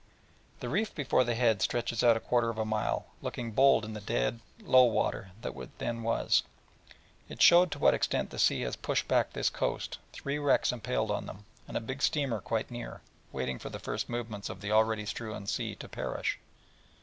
The reef before the Head stretches out a quarter of a mile, looking bold in the dead low water that then was, and showing to what extent the sea has pushed back this coast, three wrecks impaled on them, and a big steamer quite near, waiting for the first movements of the already strewn sea to perish.